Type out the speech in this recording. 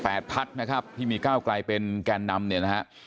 พักนะครับที่มีก้าวไกลเป็นแกนนำเนี่ยนะฮะ